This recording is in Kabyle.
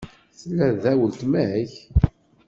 Tella da weltma-k?